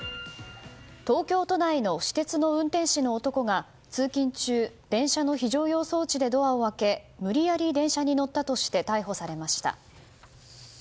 東京都内の私鉄の運転士の男が通勤中電車の非常用装置でドアを開け無理やり電車に乗ったとして逮捕されました。